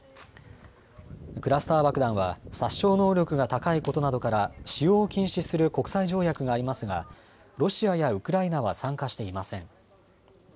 クラスター爆弾は殺傷能力が高いことなどから使用を禁止する国際条約がありますがロシアやウクライナは参加していません。